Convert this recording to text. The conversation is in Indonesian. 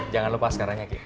jangan lupa askaranya ki